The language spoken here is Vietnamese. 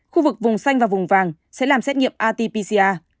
khu vực vùng xanh và vùng vàng sẽ làm xét nghiệm rt pca